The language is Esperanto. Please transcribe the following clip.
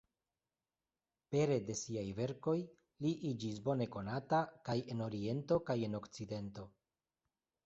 Pere de siaj verkoj, li iĝis bone konata kaj en Oriento kaj en Okcidento.